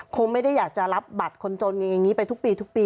คงไม่ได้อยากจะรับบัตรคนจนอย่างนี้ไปทุกปีทุกปี